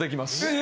え！